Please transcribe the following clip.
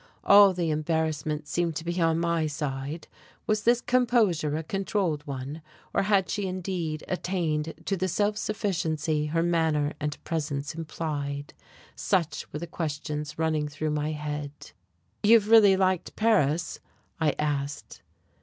All the embarrassment seemed to be on my side. Was this composure a controlled one or had she indeed attained to the self sufficiency her manner and presence implied? Such were the questions running through my head. "You've really liked Paris?" I asked.